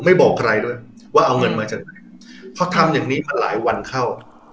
บอกใครด้วยว่าเอาเงินมาจากไหนเพราะทำอย่างนี้มาหลายวันเข้า